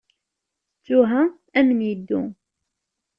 Ttuha, amen yeddu.